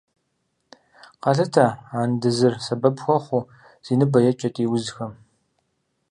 Къалъытэ андызыр сэбэп хуэхъуу зи ныбэ е кӏэтӏий узхэм.